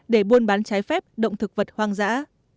để buôn bán trái phép động thực vật hoang dã